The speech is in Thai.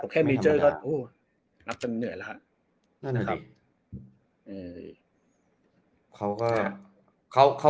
แค่มีเจ้อนับกันเหนื่อยแล้วครับ